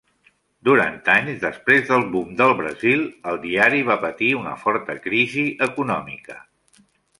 Durant anys després del boom del Brasil, el diari va patir una forta crisi econòmica.